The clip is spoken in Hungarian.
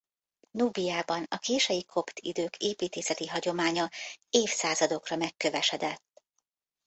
Núbiában a kései kopt idők építészeti hagyománya évszázadokra megkövesedett.